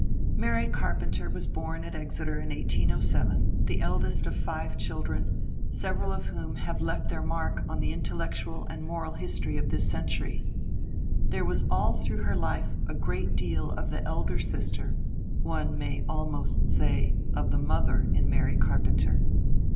Mary Carpenter was born at Exeter in 1807, the eldest of five children, several of whom have left their mark on the intellectual and moral history of this century. There was all through her life a great deal of the elder sister—one may almost say, of the mother—in Mary Carpenter.